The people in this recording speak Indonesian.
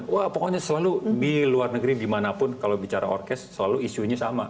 wah pokoknya selalu di luar negeri dimanapun kalau bicara orkes selalu isunya sama